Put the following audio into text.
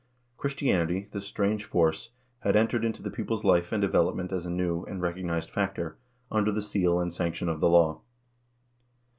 Christianity, this strange force, had entered into the people's life and development as a new and recognized factor, under the seal and sanction of the law.